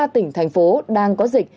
một mươi ba tỉnh thành phố đang có dịch